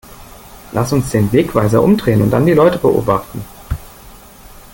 Lass uns den Wegweiser umdrehen und dann die Leute beobachten!